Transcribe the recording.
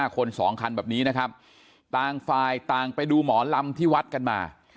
คน๒คันแบบนี้นะครับต่างฝ่ายต่างไปดูหมอลำที่วัดกันมา